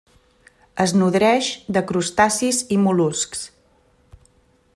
Es nodreix de crustacis i mol·luscs.